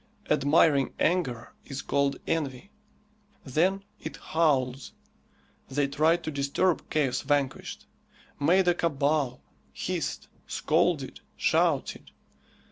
Admiring anger is called envy. Then it howls! They tried to disturb "Chaos Vanquished;" made a cabal, hissed, scolded, shouted!